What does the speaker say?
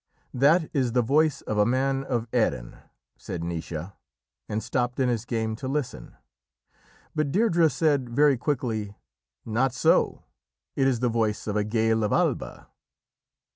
"That is the voice of a man of Erin!" said Naoise, and stopped in his game to listen. But Deirdrê said, very quickly: "Not so! It is the voice of a Gael of Alba."